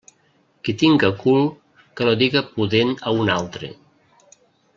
Qui tinga cul que no diga pudent a un altre.